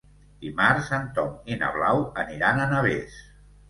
Dimarts en Tom i na Blau aniran a Navès.